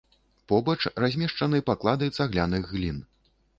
Побач размешчаны паклады цагляных глін.